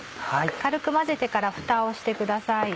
軽く混ぜてからふたをしてください。